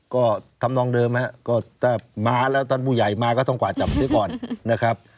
ก็ทำนองเดิมนะครับก็ถ้ามาแล้วท่านผู้ใหญ่มาก็ต้องกวาดจับเสียก่อนนะครับ